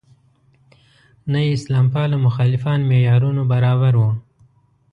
نه یې اسلام پاله مخالفان معیارونو برابر وو.